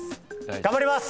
頑張ります！